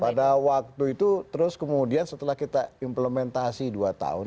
pada waktu itu terus kemudian setelah kita implementasi dua tahun